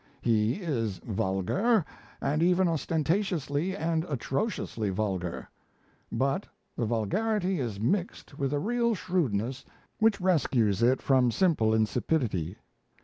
He is vulgar, and even ostentatiously and atrociously vulgar; but the vulgarity is mixed with a real shrewdness which rescues it from simple insipidity.